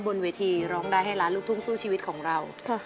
บนเวทีร้องได้ให้ล้านลูกทุ่งสู้ชีวิตของเรา